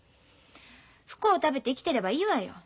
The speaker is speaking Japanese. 不幸を食べて生きてればいいわよ。